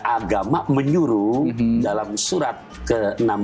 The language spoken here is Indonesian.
agama menyuruh dalam surat ke enam belas